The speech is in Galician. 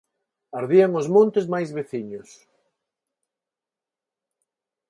Ardían os montes máis veciños.